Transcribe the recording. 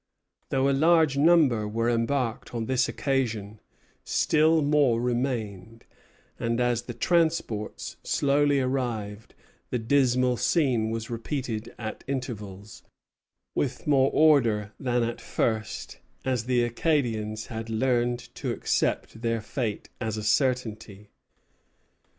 Though a large number were embarked on this occasion, still more remained; and as the transports slowly arrived, the dismal scene was repeated at intervals, with more order than at first, as the Acadians had learned to accept their fate as a certainty.